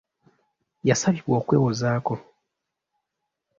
Yasabibwa okwewozaako.